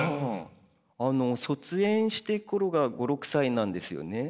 卒園した頃が５６歳なんですよね。